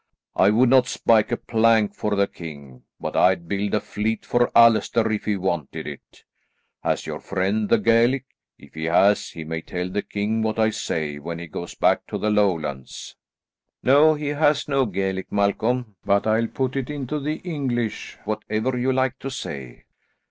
I would not spike a plank for the king, but I'd build a fleet for Allaster if he wanted it. Has your friend the Gaelic? If he has, he may tell the king what I say, when he goes back to the Lowlands." "No, he has no Gaelic, Malcolm, but I'll put into the English whatever you like to say."